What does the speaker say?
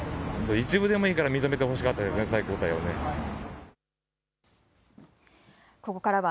一部でもいいから認めてほしかったですね、最高裁は。